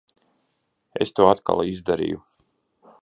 Es to atkal izdarīju.